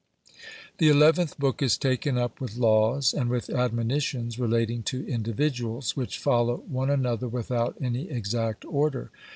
The eleventh book is taken up with laws and with admonitions relating to individuals, which follow one another without any exact order.